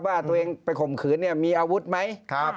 ว่าตัวเองไปข่มขืนเนี่ยมีอาวุธไหม